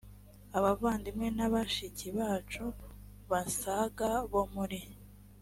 abavandimwe na bashiki bacu basaga bo muri